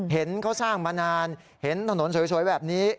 เห็นเขาสร้างมานานเห็นถนนสวยแบบนี้